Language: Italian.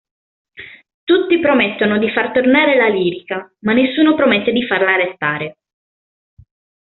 Tutti promettono di far tornare la lirica ma nessuno promette di farla restare.